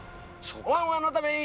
ワンワンのために！